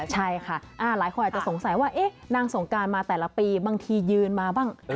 ใช่ค่ะหลายคนอาจจะสงสัยว่านางสงการมาแต่ละปีบางทียืนมาบ้าง